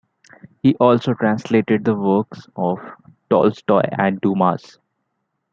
He also translated the works of Tolstoy and Dumas.